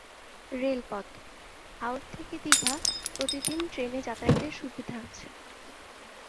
রেলপথ: হাওড়া থেকে দীঘা প্রতিদিন ট্রেনে যাতায়াতের সুবিধা আছে।